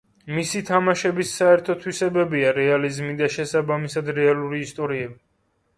მისი თამაშების საერთო თვისებებია რეალიზმი და შესაბამისად რეალური ისტორიები.